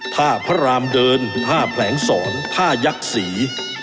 ท่าพระรามเดินท่าแผลงสอนท่ายักษ์ศรี